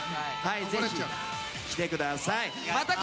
ぜひ来てください。